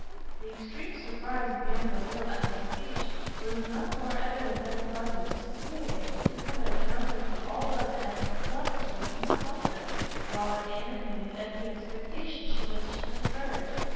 The extreme surprise of young Delvile at this speech was not more evident than pleasant to Cecilia, to whom it accounted for all that had perplext her in his conduct, while it animated every expectation she wished to encourage.